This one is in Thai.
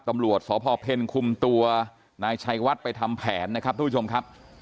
ความหลวดสพเพลคุมตัวนายชัยวัดไปทำแผนนะครับทุกชมครับ